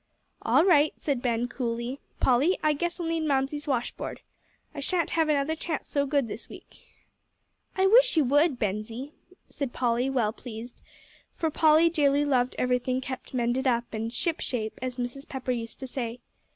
"All right," said Ben, coolly. "Polly, I guess I'll mend Mamsie's washboard. I shan't have another chance so good this week." "I wish you would, Bensie," said Polly, well pleased, for Polly dearly loved everything kept mended up, and "shipshape," as Mrs. Pepper used to say.